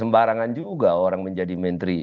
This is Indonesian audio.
sembarangan juga orang menjadi menteri